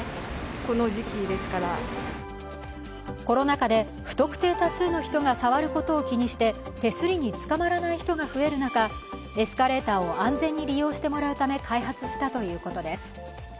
コロナ禍で不特定多数の人が触ることを気にして手すりにつかまらない人が増える中、エスカレーターを安全に利用してもらうため、開発したということです。